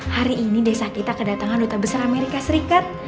hari ini desa kita kedatangan duta besar amerika serikat